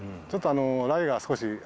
ちょっとライが少し